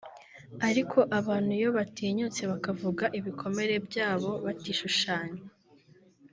ariko abantu iyo batinyutse bakavuga ibikomere byabo batishushanya